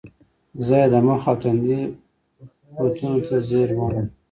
زۀ ئې د مخ او تندي کوتونو ته زیر ووم ـ